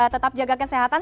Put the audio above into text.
tetap jaga kesehatan